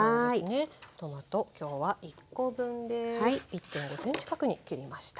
１．５ｃｍ角に切りました。